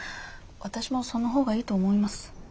私もその方がいいと思います。